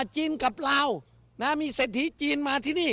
จีนกับลาวมีเศรษฐีจีนมาที่นี่